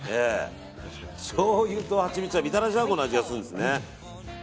しょうゆとハチミツはみたらし団子の味がするんですね。